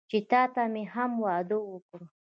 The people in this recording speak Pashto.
چې تاته مې هم واده وکړ.